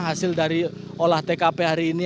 hasil dari olah tkp hari ini